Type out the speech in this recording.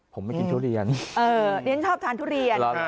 ผมไม่กินทุเรียนเออนี่ชอบทานทุเรียนหรอหรอ